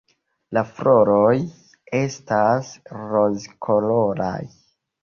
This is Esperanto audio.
La floroj estas rozkoloraj.